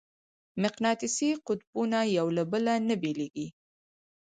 مقناطیسي قطبونه یو له بله نه بېلېږي.